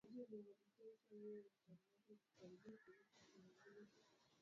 Shirika linaendelea kufanya kazi bila kibali halali